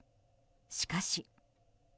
しかし。